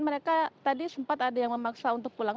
mereka tadi sempat ada yang memaksa untuk pulang